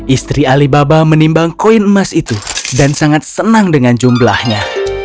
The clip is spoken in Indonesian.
istri alibaba menimbang koin emas itu dan sangat senang dengan jumlahnya